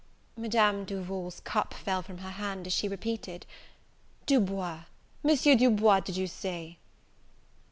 Madame Duval's cup fell from her hand, as she repeated "Du Bois! Monsieur Du Bois, did you say?"